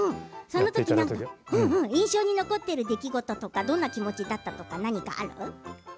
そのとき印象に残ってる出来事とかどんな気持ちだったとかある？